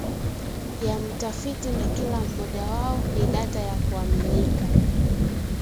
ya mtafiti na kila mmoja wao ni data ya kuaminika